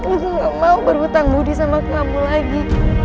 oh gak mau berhutang budi sama kamu lagi